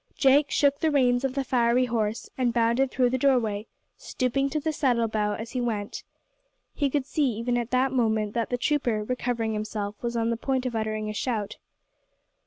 Jake shook the reins of the fiery horse and bounded through the door way, stooping to the saddle bow as he went. He could see, even at that moment, that the trooper, recovering himself, was on the point of uttering a shout.